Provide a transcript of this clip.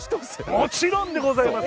もちろんでございます！